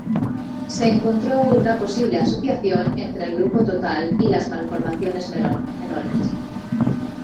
Se encontró una posible asociación entre el grupo total y las malformaciones menores.